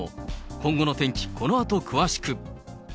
今後の天気、このあと詳しく。